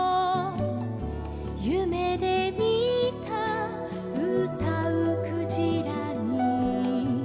「ゆめでみたうたうクジラに」